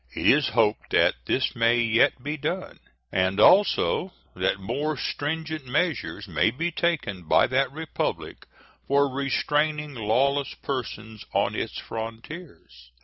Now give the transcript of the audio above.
It is hoped that this may yet be done, and also that more stringent measures may be taken by that Republic for restraining lawless persons on its frontiers.